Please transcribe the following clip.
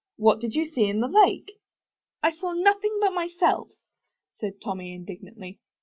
'What did you see in the lake?" *'I saw nothing but myself," said Tommy, indig nantly.